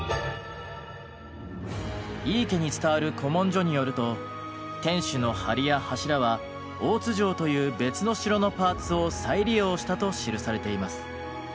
井伊家に伝わる古文書によると天守の梁や柱は大津城という別の城のパーツを再利用したと記されています。